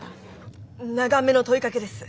長めの問いかけです。